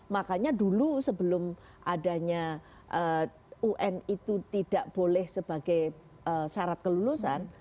makanya dulu sebelum adanya un itu tidak boleh sebagai syarat kelulusan